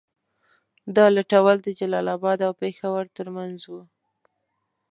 دا لوټول د جلال اباد او پېښور تر منځ وو.